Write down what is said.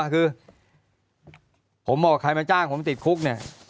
คือผมบอกใครมาจ้างผมติดคุกเนี่ย